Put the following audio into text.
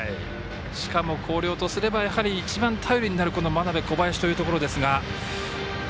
しかも広陵とすれば一番頼りになる真鍋、小林というところですが。